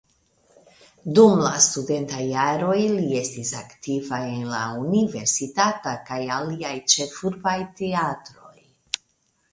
Dum la studentaj jaroj li estis aktiva en la universitata kaj aliaj ĉefurbaj teatroj.